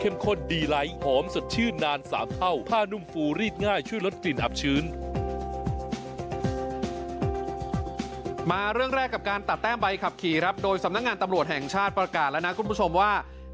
มาเรื่องแรกกับการตัดแต้มใบขับขี่ครับโดยสำนักงานตำรวจแห่งชาติประกาศแล้วนะคุณผู้ชมว่า